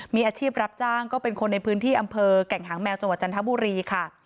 มีอาชีพรับจ้างก็เป็นคนในพื้นที่อำเภอแก่งหางแมวจังหวัดจันทบุรีค่ะ